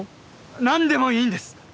何でもいいんです